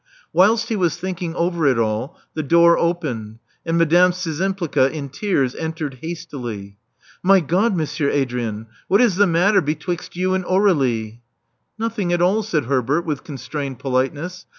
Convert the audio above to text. Whilst he was thinking over it all, the door opened; and Madame Szczympliga, in tears, entered hastily. My God, Monsieur Adrian, what is the matter betwixt you and Aur^lie?" '* Nothing at all," said Herbert, with constrained politeness.